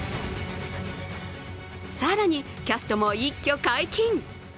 更に、キャストも一挙解禁。